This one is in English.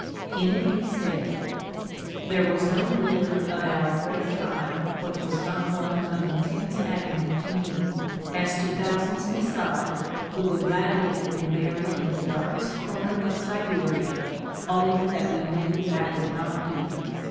In it he said :— There was no year of our great trial which was not one of intense agony to me, as to thousands beside who would gladly have been buried in the darkest comer of Siberia, only that we knew that would not do.